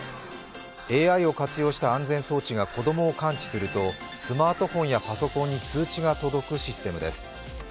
ＡＩを活用した安全装置が子供を感知すると、スマートフォンやパソコンに通知が届くシステムです。